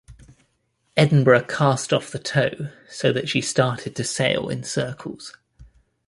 "Edinburgh" cast off the tow, so that she started to sail in circles.